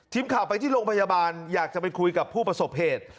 ทีมข่าวไปที่โรงพยาบาลอยากจะไปคุยกับผู้ประสบเหตุ